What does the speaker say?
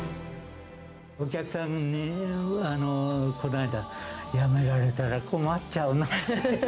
お客さんに、この間、やめられたら困っちゃうなって。